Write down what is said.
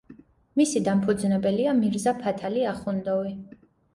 მისი დამფუძნებელია მირზა ფათალი ახუნდოვი.